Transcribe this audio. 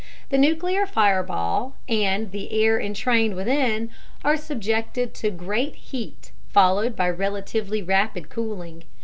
The nuclear fireball and the air entrained within it are subjected to great heat, followed by relatively rapid cooling.